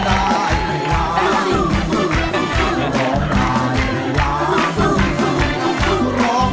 ผักปุ้งร้อง